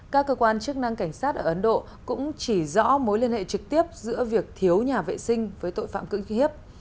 các cơ quan chức năng cảnh sát ở ấn độ cũng chỉ rõ mối liên hệ trực tiếp giữa việc thiếu nhà vệ sinh với tội phạm cưỡng khi hiếp